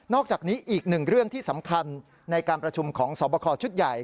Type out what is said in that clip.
อกจากนี้อีกหนึ่งเรื่องที่สำคัญในการประชุมของสอบคอชุดใหญ่